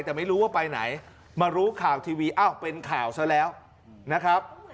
แต่ไม่รู้ว่าไปไหนมารู้ข่าวทีวีอ้าวเป็นข่าวซะแล้วนะครับ